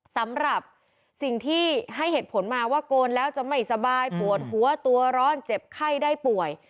สำหรับสิ่งที่ให้เหตุผลมาว่าโกนแล้วจะไม่สบายปวดหัวตัวร้อนเจ็บไข้ได้ป่วย